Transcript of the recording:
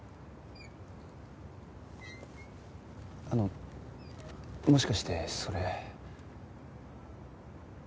あのもしかしてそれ。